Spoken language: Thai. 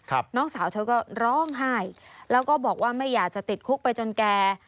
น้องสาวเธอก็ร้องไห้แล้วก็บอกว่าไม่อยากจะติดคุกไปจนแก่